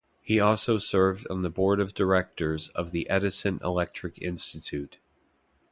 He also served on the Board of Directors of the Edison Electric Institute.